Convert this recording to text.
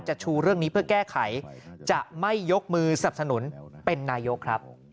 ชูเรื่องนี้เพื่อแก้ไขจะไม่ยกมือสับสนุนเป็นนายกครับ